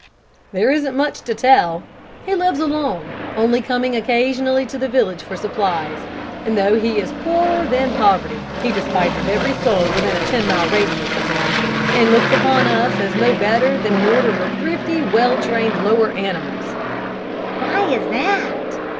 "There isn't much to tell. He lives alone, only coming occasionally to the village for supplies, and though he is poorer than poverty, he despises every soul within a ten mile radius of him, and looks upon us as no better than an order of thrifty, well trained lower animals." "Why is that?"